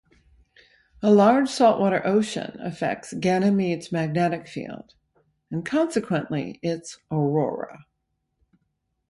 A large salt-water ocean affects Ganymede's magnetic field, and consequently, its aurora.